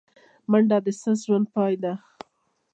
منډه د سست ژوند پای دی